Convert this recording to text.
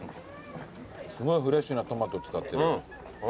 すごいフレッシュなトマト使ってる。